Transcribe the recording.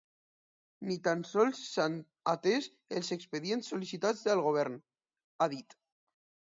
Ni tan sols s’han atès els expedients sol·licitats al govern, ha dit.